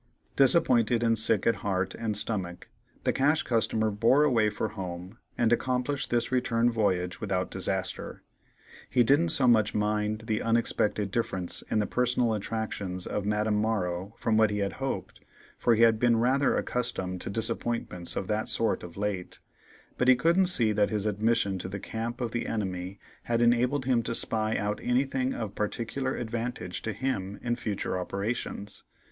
Disappointed, and sick at heart and stomach, the Cash Customer bore away for home, and accomplished the return voyage without disaster. He didn't so much mind the unexpected difference in the personal attractions of Madame Morrow from what he had hoped, for he had been rather accustomed to disappointments of that sort of late, but he couldn't see that his admission to the camp of the enemy had enabled him to spy out anything of particular advantage to him in future operations.